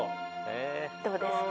どうですか？